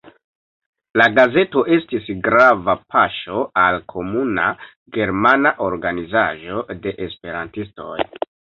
La gazeto estis grava paŝo al komuna germana organizaĵo de esperantistoj.